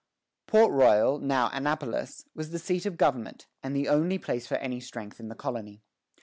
Port Royal, now Annapolis, was the seat of government, and the only place of any strength in the colony.